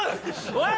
おい！